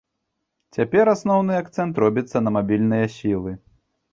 Цяпер асноўны акцэнт робіцца на мабільныя сілы.